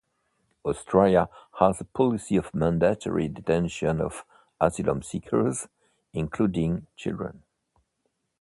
Australia has a policy of mandatory detention of asylum seekers, including children.